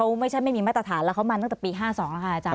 เขาไม่ใช่ไม่มีมาตรฐานแล้วเขามาตั้งแต่ปี๕๒แล้วค่ะอาจาร